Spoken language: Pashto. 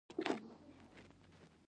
مهم ښار یې د ارجنټاین بونس ایرس دی.